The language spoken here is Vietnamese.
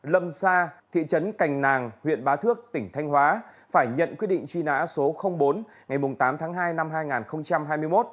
lâm sa thị trấn cành nàng huyện bá thước tỉnh thanh hóa phải nhận quyết định truy nã số bốn ngày tám tháng hai năm hai nghìn hai mươi một